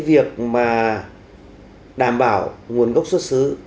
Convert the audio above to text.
việc mà đảm bảo nguồn gốc xuất xứ